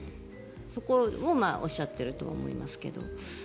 そこをおっしゃっていると思いますけど。